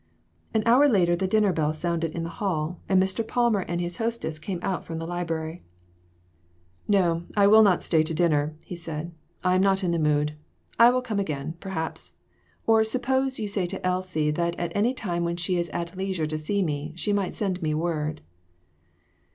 An hour later the dinner bell sounded in the hall, and Mr. Palmer and his hostess came out from the library. COMPLICATIONS. 369 "No, I will not stay to dinner," he said; " I am not in the mood. I will come again, perhaps ; or, suppose you say to Elsie that at any time when she is at leisure to see me, she might send me word."